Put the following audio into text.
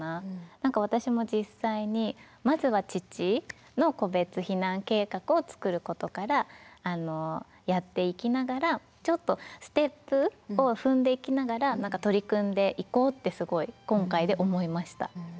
何か私も実際にまずは父の個別避難計画を作ることからやっていきながらちょっとステップを踏んでいきながら何か取り組んでいこうってすごい今回で思いました。